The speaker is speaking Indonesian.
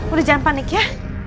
udah jangan panik ya